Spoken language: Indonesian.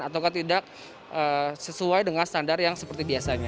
atau tidak sesuai dengan standar yang seperti biasanya